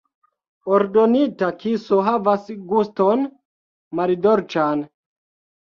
Ordonita kiso havas guston maldolĉan.